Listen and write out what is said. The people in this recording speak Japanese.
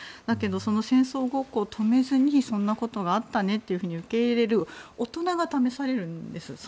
だけど戦争ごっこを止めずにそんなことがあったねと受け入れる大人が試されるんです。